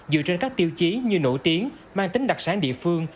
dựa trên các tiêu chí như nổi tiếng mang tính đặc sản địa phương